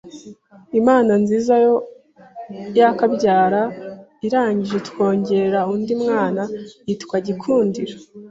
Imana nziza yo kabyara irangije itwongera undi mwana yitwa GIKUNDIRO